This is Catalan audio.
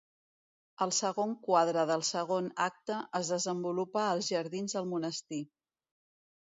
El segon quadre del segon acte es desenvolupa als jardins del monestir.